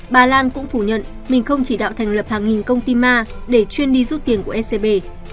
bà lan cũng phủ nhận mình không chỉ đạo thành lập hàng nghìn công ty ma để chuyên đi rút tiền của scb